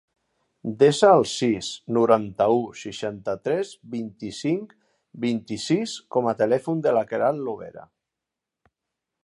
Desa el sis, noranta-u, seixanta-tres, vint-i-cinc, vint-i-sis com a telèfon de la Queralt Lobera.